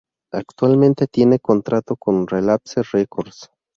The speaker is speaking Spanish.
Actualmente tienen contrato con Relapse Records.